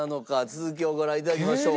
続きをご覧頂きましょう。